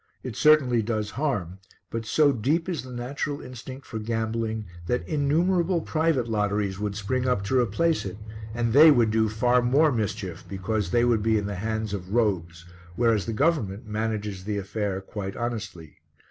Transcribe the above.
It certainly does harm, but so deep is the natural instinct for gambling that innumerable private lotteries would spring up to replace it, and they would do far more mischief, because they would be in the hands of rogues, whereas the government manages the affair quite honestly.